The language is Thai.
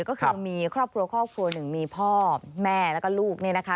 ก็คือมีครอบครัวครอบครัวหนึ่งมีพ่อแม่แล้วก็ลูกเนี่ยนะคะ